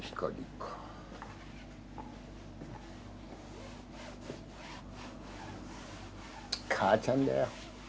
かあちゃんだよ。